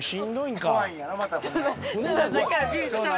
怖いんやろ、また船が。